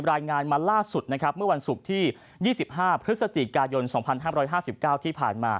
รายงานมาล่าสุดเมื่อวันสุขที่๒๕พศกร๒๕๕๙